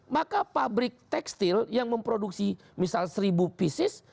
maka pabrik tekstil yang memproduksi misal seribu pieces